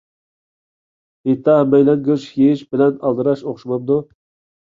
ھېيتتا ھەممەيلەن گۆش يېيىش بىلەن ئالدىراش ئوخشىمامدۇ؟